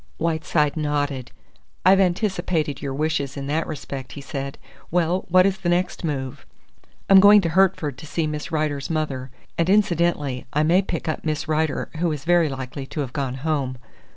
Whiteside nodded. "I've anticipated your wishes in that respect," he said. "Well, what is the next move?" "I'm going to Hertford to see Miss Rider's mother; and incidentally, I may pick up Miss Rider, who is very likely to have gone home."